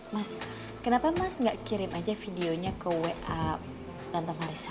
mas kenapa mas nggak kirim aja videonya ke wa tante marisa